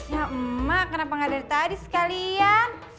ya emak kenapa gak dari tadi sekalian